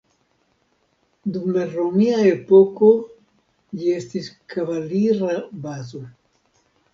Dum la romia epoko, ĝi estis kavalira bazo.